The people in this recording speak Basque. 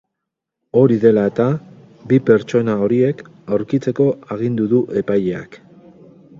Hori dela eta, bi pertsona horiek aurkitzeko agindu du epaileak.